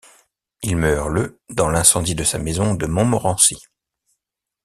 Il meurt le dans l'incendie de sa maison de Montmorency.